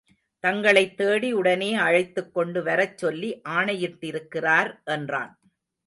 தங்களைத் தேடி உடனே அழைத்துக் கொண்டு வரச் சொல்லி ஆணையிட்டிருக்கிறார் என்றான்.